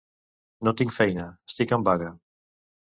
No tinc feina: estic en vaga.